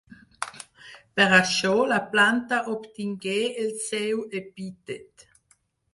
Per això, la planta obtingué el seu epítet.